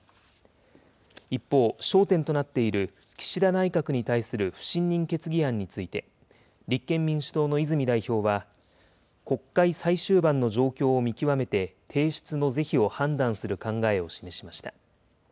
一方、焦点となっている岸田内閣に対する不信任決議案について、立憲民主党の泉代表は、国会最終盤の状況を見極めて、提出の是非の判断を迫る考えを示しました。